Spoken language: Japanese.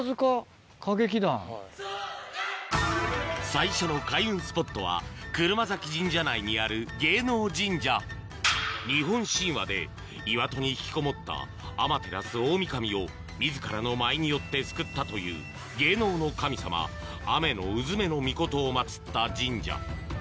最初の開運スポットは車折神社内にある芸能神社日本神話で岩戸に引きこもったアマテラスオオミカミを自らの舞によって救ったという芸能の神様アメノウズメノミコトを祭った神社